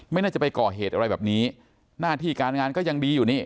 น่าจะไปก่อเหตุอะไรแบบนี้หน้าที่การงานก็ยังดีอยู่นี่